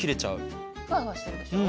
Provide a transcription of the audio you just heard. フワフワしてるでしょう？